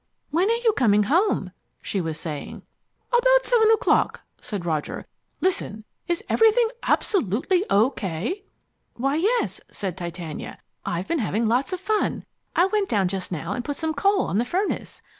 "When are you coming home?" she was saying. "About seven o'clock," said Roger. "Listen, is everything absolutely O. K.?" "Why, yes," said Titania. "I've been having lots of fun. I went down just now and put some coal on the furnace.